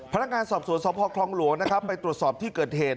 พนักงานสอบสวนสพคลองหลวงนะครับไปตรวจสอบที่เกิดเหตุ